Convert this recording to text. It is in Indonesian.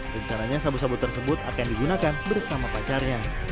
rencananya sabu sabu tersebut akan digunakan bersama pacarnya